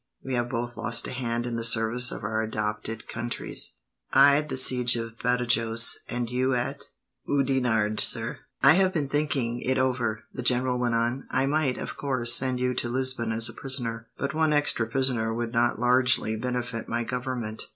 We have both lost a hand in the service of our adopted countries; I at the siege of Badajos, and you at ?" "Oudenarde, sir." "I have been thinking it over," the general went on. "I might, of course, send you to Lisbon as a prisoner, but one extra prisoner would not largely benefit my government.